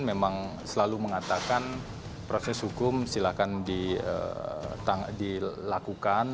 memang selalu mengatakan proses hukum silahkan dilakukan